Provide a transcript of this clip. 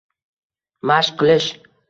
Mashq qilish.